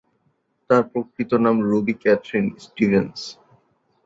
তার প্রকৃত নাম রুবি ক্যাথরিন স্টিভেন্স।